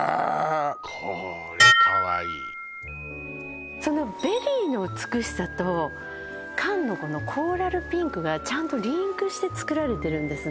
これかわいいそのベリーの美しさと缶のこのコーラルピンクがちゃんとリンクして作られてるんですね